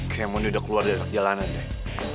kayaknya mau dia udah keluar dari rak jalanan deh